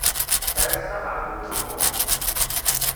Ar assa xerben lumuṛ.